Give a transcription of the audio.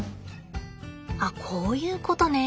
あっこういうことね。